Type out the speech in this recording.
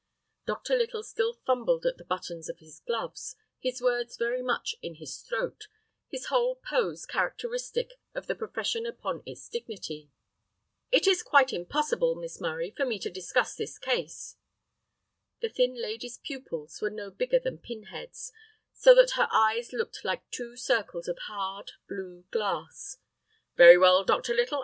Dr. Little still fumbled at the buttons of his gloves, his words very much in his throat, his whole pose characteristic of the profession upon its dignity. "It is quite impossible, Miss Murray, for me to discuss this case." The thin lady's pupils were no bigger than pin heads, so that her eyes looked like two circles of hard, blue glass. "Very well, Dr. Little.